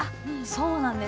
そうなんです。